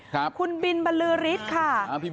คุณบินบรรลือริสค่ะ